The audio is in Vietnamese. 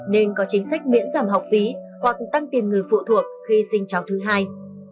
nên có chính sách miễn giảm học phí hoặc tăng tiền người phụ thuộc khi sinh cháu thứ hai